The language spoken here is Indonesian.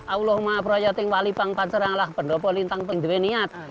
allahumma purajating wali pangpancarang lah pendopo lintang pendweniat